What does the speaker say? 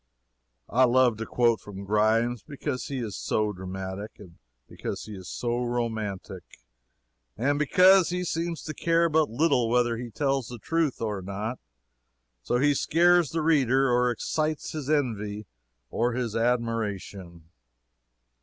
I love to quote from Grimes, because he is so dramatic. And because he is so romantic. And because he seems to care but little whether he tells the truth or not, so he scares the reader or excites his envy or his admiration.